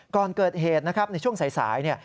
ก่อนเกิดเหตุในช่วงสาย